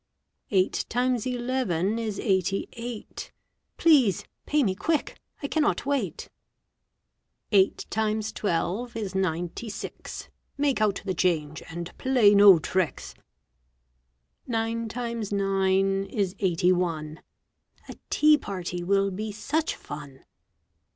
Eight times eleven is eighty eight. Please pay me, quick! I cannot wait. Eight times twelve is ninety six. Make out the change, and play no tricks! Nine times nine is eighty one. A tea party will be such fun!